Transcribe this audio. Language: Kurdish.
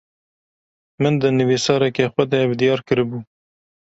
Min, di nivîsareke xwe de, ev diyar kiribû